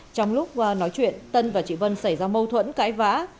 trong lúc nói chuyện tân và chị vân xảy ra mâu thuẫn cãi vã